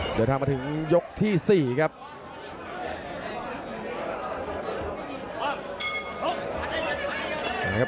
เดี๋ยวทางมาถึงยกที่สี่ครับ